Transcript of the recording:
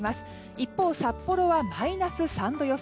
一方、札幌はマイナス３度予想。